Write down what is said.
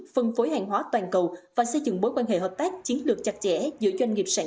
phân phối hàng hóa toàn cầu và xây dựng bối quan hệ hợp tác chiến lược chặt chẽ giữa doanh nghiệp sản